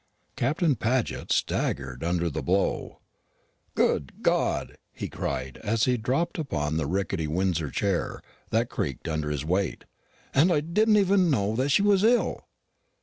Captain Paget staggered under the blow. "Good God!" he cried, as he dropped upon a rickety Windsor chair, that creaked under his weight; "and I did not even know that she was ill!"